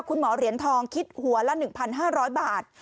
คุณหมอเหรียญทองคิดหัวละ๑๕๐๐บาท